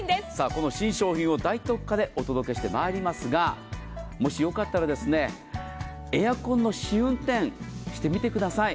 この新商品を大特価でお届けしてまいりますが、もしよかったら、エアコンの試運転してみてください。